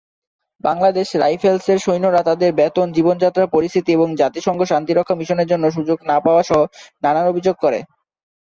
বাংলাদেশ রাইফেলসের সৈন্যরা তাদের বেতন, জীবনযাত্রার পরিস্থিতি এবং জাতিসংঘ শান্তিরক্ষা মিশনের জন্য সুযোগ না পাওয়া সহ নানা অভিযোগ করে।